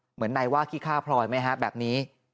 เหมือนนายว่าขี้ฆ่าพลอยไหมฮะแบบนี้